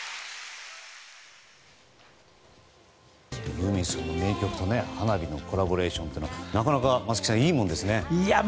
ユーミンさんの名曲と花火のコラボレーションというのはなかなかいいものですね松木さん。